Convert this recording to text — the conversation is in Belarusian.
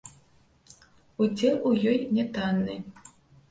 Удзел у ёй нятанны.